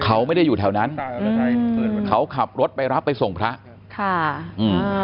เขาไม่ได้อยู่แถวนั้นเขาขับรถไปรับไปส่งพระค่ะอืม